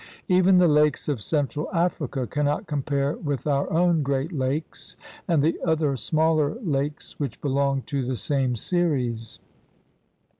Even the lakes of Ctiitral Africa cannot compare with our own Great Lakes and the other smaller lakes which belong to the same series.